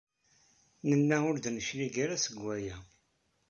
Nella ur d-neclig ara seg waya.